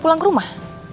pulang ke rumah